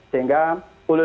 sehingga ulul amri adalah